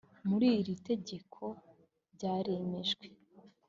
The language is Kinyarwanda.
muri iri tegeko byaremejwe